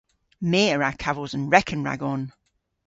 My a wra kavos an reken ragon.